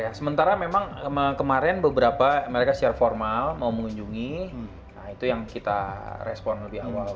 karena memang kemarin beberapa mereka secara formal mau mengunjungi nah itu yang kita respon lebih awal